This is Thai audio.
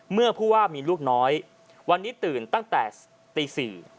เมื่อผู้ว่ามีลูกน้อยวันนี้ตื่นตั้งแต่ตี๔